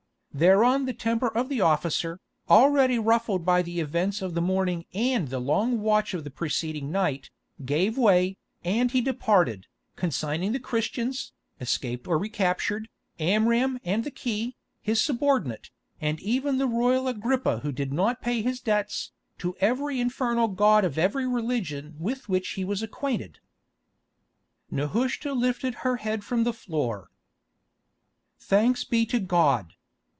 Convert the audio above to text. Thereon the temper of the officer, already ruffled by the events of the morning and the long watch of the preceding night, gave way, and he departed, consigning the Christians, escaped or recaptured, Amram and the key, his subordinate, and even the royal Agrippa who did not pay his debts, to every infernal god of every religion with which he was acquainted. Nehushta lifted her head from the floor. "Thanks be to God!